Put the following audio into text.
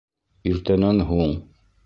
Иртәнән һуң